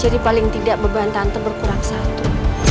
jadi paling tidak beban tante berkurang satu